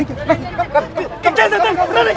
ada yang kaya santai